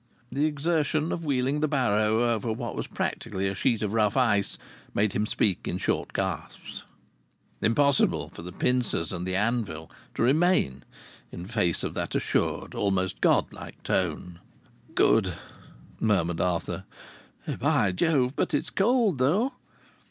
The exertion of wheeling the barrow over what was practically a sheet of rough ice made him speak in short gasps. Impossible for the pincers and the anvil to remain in face of that assured, almost god like tone! "Good!" murmured Arthur. "By Jove, but it's cold though!"